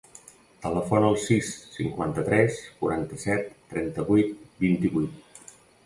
Telefona al sis, cinquanta-tres, quaranta-set, trenta-vuit, vint-i-vuit.